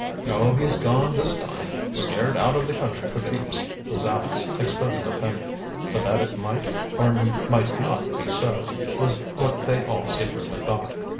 "Oh, he's gone this time. Scared out of the country for keeps!" was Aleck's expressed opinion. But that it might or might not be so, was what they all secretly thought.